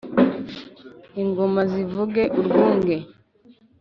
ingoma zivuge urwunge